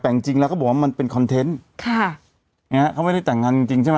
แต่จริงจริงแล้วก็บอกว่ามันเป็นคอนเทนต์ค่ะเนี้ยเขาไม่ได้แต่งงานจริงจริงใช่ไหม